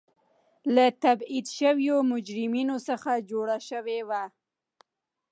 له تبعید شویو مجرمینو څخه جوړه شوې وه.